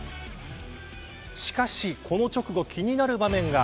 しかし、この直後気になる場面が。